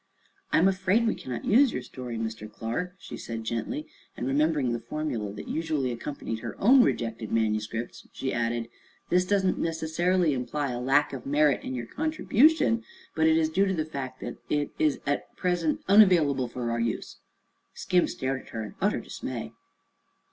"I'm afraid we cannot use your story, Mr. Clark," she said gently, and remembering the formula that usually accompanied her own rejected manuscripts she added: "This does not necessarily imply a lack of merit in your contribution, but is due to the fact that it is at present unavailable for our use." Skim stared at her in utter dismay.